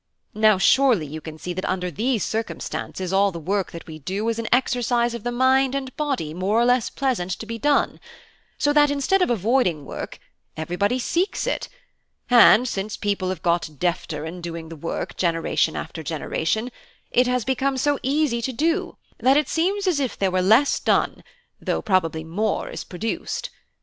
Now, surely you can see that under these circumstances all the work that we do is an exercise of the mind and body more or less pleasant to be done: so that instead of avoiding work everybody seeks it: and, since people have got defter in doing the work generation after generation, it has become so easy to do, that it seems as if there were less done, though probably more is produced.